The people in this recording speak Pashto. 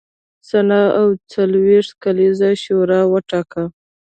سنا او څلوېښت کسیزه شورا ټاکله.